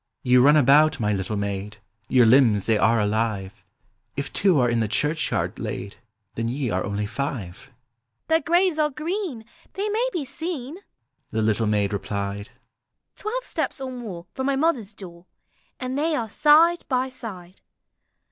" You run about, my little maid; Your limbs they are alive; If two are in the ehurehyard laid, Then ye are only five." Digitized by Google AHOUT CHIUiRKS " Their graves are green, they may be seen," The little maid replied: Twelve steps or more from my mother's door, And they are side by side.